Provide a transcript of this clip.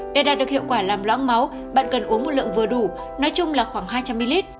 để đạt được hiệu quả làm loãng máu bạn cần uống một lượng vừa đủ nói chung là khoảng hai trăm linh ml